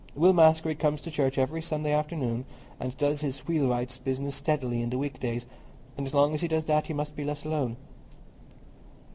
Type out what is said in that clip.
Will Maskery comes to church every Sunday afternoon, and does his wheelwright's business steadily in the weekdays, and as long as he does that he must be let alone."